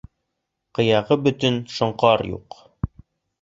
Ҡыяғы бөтөн шоңҡар юҡ.